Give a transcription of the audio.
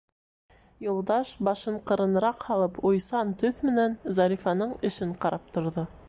Юлдаш, башын ҡырыныраҡ һалып, уйсан төҫ менән Зарифаның эшен ҡарап торҙо.